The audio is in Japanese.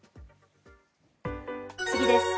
次です。